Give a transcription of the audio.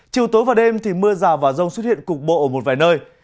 chiều tối và đêm thì mưa rào và rông xuất hiện cục bộ ở một vài nơi